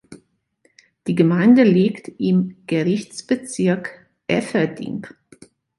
Die Gemeinde liegt im Gerichtsbezirk Eferding.